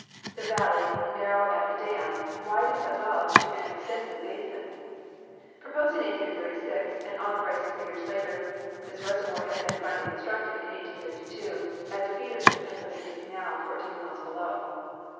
The valley, narrow at the dam, widened above into an extensive basin. Proposed in 1836, and authorized three years later, this reservoir had been finally constructed in 1852, as a feeder to the Pennsylvania canal, fourteen miles below.